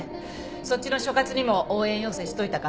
そっちの所轄にも応援要請しといたから。